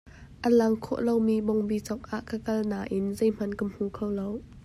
A langkhawh lomi bawngbi cawk ah ka kal nain zei hmanh ka hmu kho lo.